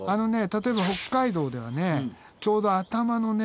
例えば北海道ではちょうど頭のね